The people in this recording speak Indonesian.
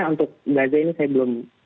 untuk gajah ini saya belum tahu